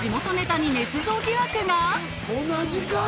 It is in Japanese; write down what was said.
同じか？